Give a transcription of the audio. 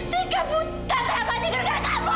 tika buta sayap aja gara gara kamu